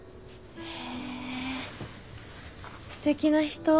へえすてきな人。